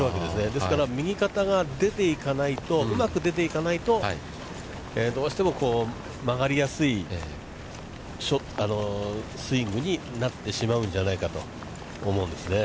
ですから、右肩が出ていかないと、うまく出ていかないと、どうしても曲がりやすいスイングになってしまうんじゃないかと思うんですね。